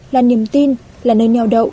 là niềm tin là nơi nheo đậu